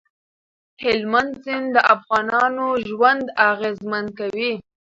هلمند سیند د افغانانو ژوند اغېزمن کوي.